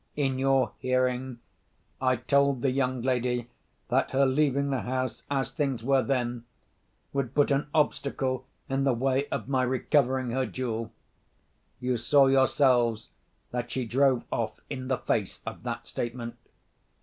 In your hearing, I told the young lady that her leaving the house (as things were then) would put an obstacle in the way of my recovering her jewel. You saw yourselves that she drove off in the face of that statement.